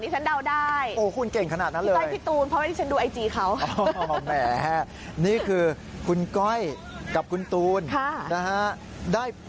นี่ฉันเห็นด้านหลังนี่ฉันเดาได้